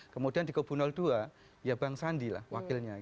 kemudian di kubu dua ya bang sandi lah wakilnya